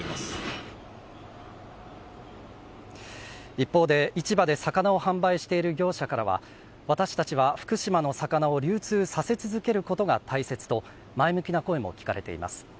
一方で市場で魚を販売している業者からは私たちは福島の魚を流通させ続けることが大切と前向きな声も聞かれています。